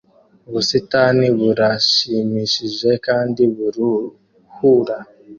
Ubusitani burashimishije kandi buruhura